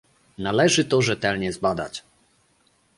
Należy to rzetelnie zbadać